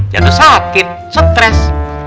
jatuh sakit stres